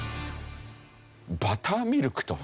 バターミルクと。